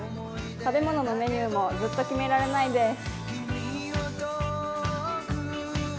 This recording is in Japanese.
食べ物のメニューもずっと決められないです。